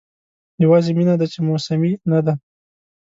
یوازې مینه ده چې موسمي نه ده.